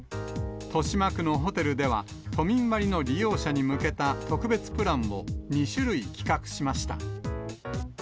豊島区のホテルでは、都民割の利用者に向けた、特別プランを２種類企画しました。